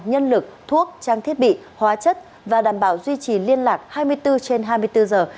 nhân lực thuốc trang thiết bị hóa chất và đảm bảo duy trì liên lạc hai mươi bốn trên hai mươi bốn giờ